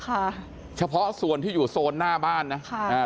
ค่ะเฉพาะส่วนที่อยู่โซนหน้าบ้านนะค่ะอ่า